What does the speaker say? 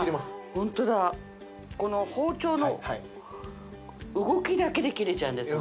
ホントだこの包丁の動きだけで切れちゃうんですね